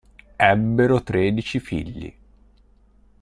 Ebbero tredici figli.